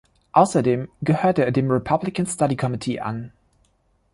Außerdem gehört er dem "Republican Study Committee" an.